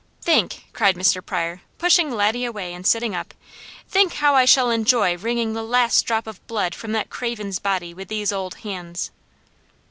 "Think!" cried Mr. Pryor, pushing Laddie away and sitting up: "Think how I shall enjoy wringing the last drop of blood from that craven's body with these old hands!"